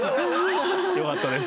よかったです。